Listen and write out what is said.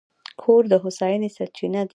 کور د هوساینې سرچینه ده.